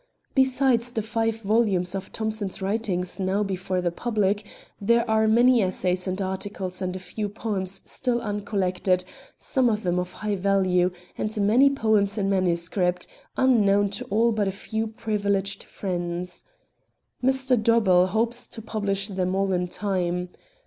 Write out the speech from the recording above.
Besides the five volumes of Thomson's writings now before the public, there are many essays and articles and a few poems still uncollected, some of them of high value; and many poems in manuscript, unknown to all but a few privileged friends. Mr. Dobell hopes to publish them all in time.